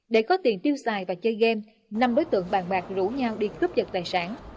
để có tiền tiêu xài và chơi game năm đối tượng bàn bạc rủ nhau đi cướp giật tài sản